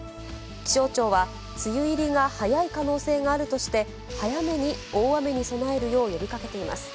気象庁は、梅雨入りが早い可能性があるとして、早めに大雨に備えるよう呼びかけています。